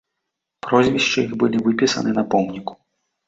Прозвішчы іх былі выпісаны на помніку.